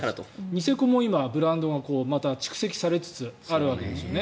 ニセコも今ブランドがまた蓄積されつつあるわけですよね